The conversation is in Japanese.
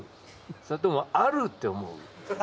それともあるって思う？